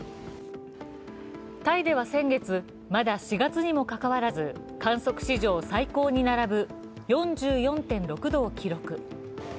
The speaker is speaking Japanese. タイでは先月、まだ４月にもかかわらず観測史上最高に並ぶ４４．６度を記録。